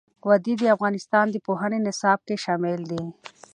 وادي د افغانستان د پوهنې نصاب کې شامل دي.